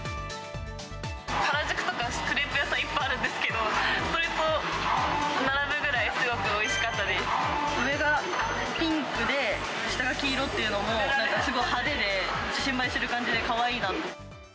原宿とか、クレープ屋さんいっぱいあるんですけど、それと並ぶぐらい、上がピンクで、下が黄色っていうのも、なんかすごい派手で、写真映えする感じでかわいいなと。